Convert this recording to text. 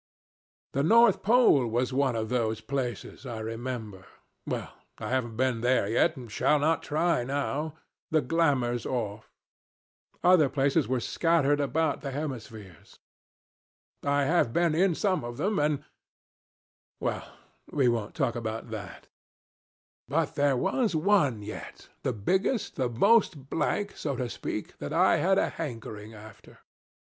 The North Pole was one of these places, I remember. Well, I haven't been there yet, and shall not try now. The glamour's off. Other places were scattered about the Equator, and in every sort of latitude all over the two hemispheres. I have been in some of them, and ... well, we won't talk about that. But there was one yet the biggest, the most blank, so to speak that I had a hankering after.